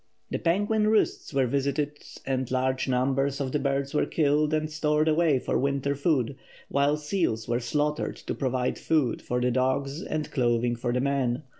The penguin roosts were visited and large numbers of the birds were killed and stored away for winter food, while seals were slaughtered to provide food for the dogs and clothing for the men.